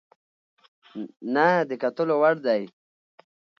نه د کتلو وړ دى،